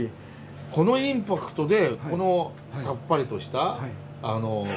このインパクトでこのさっぱりとした味わい。